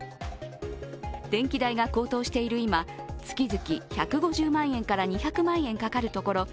電気代が高騰している今、月々１５０万円から２００万円かかるところ